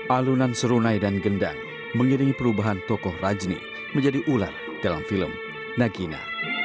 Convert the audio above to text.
alunan serunai dan gendang mengiringi perubahan tokoh rajni menjadi ular dalam film nagina